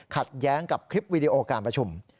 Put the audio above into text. ขัดแย้งกับคลิปวีดีโอการประชุม